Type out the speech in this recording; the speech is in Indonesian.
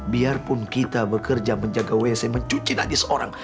biarpun kita bekerja menjaga wc mencuci najis orang